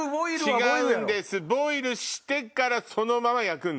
ボイルしてからそのまま焼くんです。